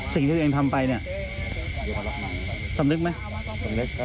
สิ่งที่ตัวเองทำไปเนี่ยสำนึกไหม